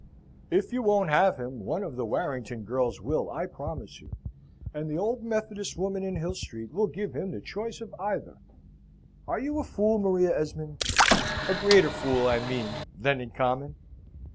"If you won't have him, one of the Warrington girls will, I promise you; and the old Methodist woman in Hill Street will give him the choice of either. Are you a fool, Maria Esmond? A greater fool, I mean, than in common?"